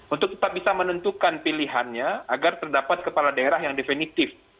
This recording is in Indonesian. untuk tetap bisa menentukan pilihannya agar terdapat kepala daerah yang definitif